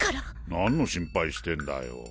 何の心配してんだよ？